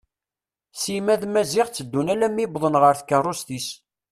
Sima d Maziɣ teddun alammi i wwḍen ɣer tkerrust-is.